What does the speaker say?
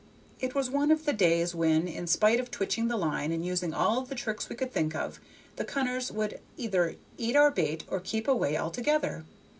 It was one of the days when, in spite of twitching the line and using all the tricks we could think of, the cunners would either eat our bait or keep away altogether.